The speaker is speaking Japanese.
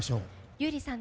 優里さん